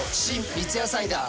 三ツ矢サイダー』